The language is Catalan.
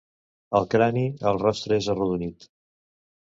Al crani, el rostre és arrodonit.